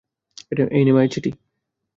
এই নে মায়ের চিঠি।